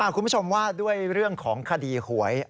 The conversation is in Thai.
คุณผู้ชมว่าด้วยเรื่องของคดีหวย